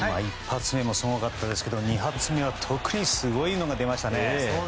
１発目もすごかったですけど２発目は特にすごいのが出ましたね。